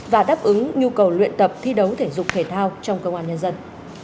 và đáp ứng nhu cầu luyện tập thi đấu thể dục thể thao trong công an nhân dân